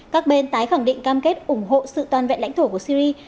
các bên tái khẳng định cam kết ủng hộ sự toàn vẹn lãnh thổ của syri